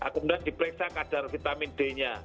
kemudian diperiksa kadar vitamin d nya